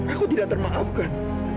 aku tidak termaafkan